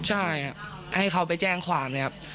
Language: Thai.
ใช่ให้เขาไปแจ้งความนะครับ